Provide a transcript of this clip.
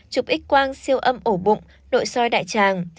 chụp x quang siêu âm ổ bụng nội soi đại tràng